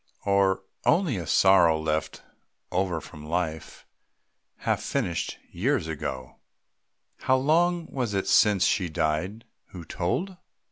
Or only a sorrow left over from life, Half finished years ago? How long was it since she died who told?